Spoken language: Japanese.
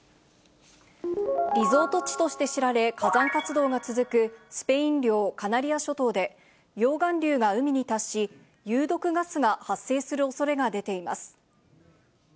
リゾート地として知られ、火山活動が続く、スペイン領カナリア諸島で、溶岩流が海に達し、有毒ガスが発生するおそれが出ています。